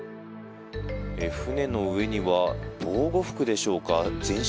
船の上には防護服でしょうか、全身